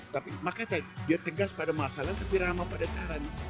tapi makanya tadi dia tegas pada masalah tapi ramah pada caranya